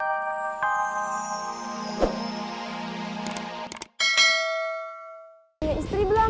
pembeli istri belum